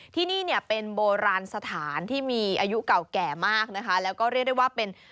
ที่นี่เนี่ยเป็นโบราณสถานที่มีอายุเก่าแก่มากนะคะแล้วก็เรียกได้ว่าเป็น